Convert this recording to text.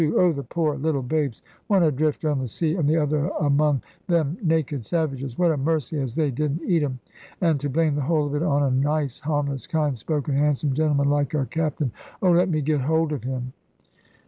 Oh the poor little babes, one adrift on the sea, and the other among them naked savages! What a mercy as they didn't eat him! And to blame the whole of it on a nice, harmless, kind spoken, handsome gentleman, like our Captain! Oh, let me get hold of him!"